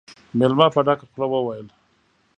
مېلمه په ډکه خوله وويل: